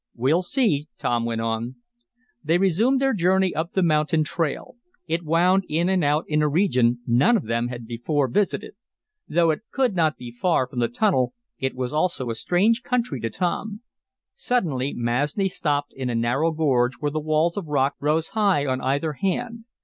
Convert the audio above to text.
"We'll see," Tom went on. They resumed their journey up the mountain trail. It wound in and out in a region none of them had before visited. Though it could not be far from the tunnel, it was almost a strange country to Tom. Suddenly Masni stopped in a narrow gorge where the walls of rock rose high on either hand.